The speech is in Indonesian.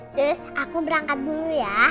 sis aku berangkat dulu ya